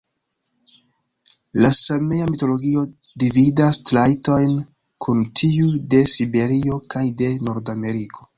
La Samea mitologio dividas trajtojn kun tiuj de Siberio kaj de Nordameriko.